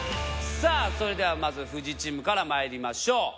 さあそれではまずふじチームからまいりましょう。